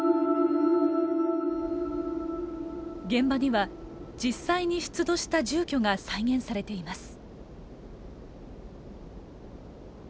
現場には実際に出土した住居が再現されています。